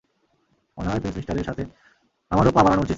মনেহয়, ফিঞ্চমিস্টারের সাথে আমারো পা বাড়ানো উচিত।